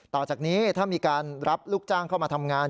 ต่อจากนี้ถ้ามีการรับลูกจ้างเข้ามาทำงาน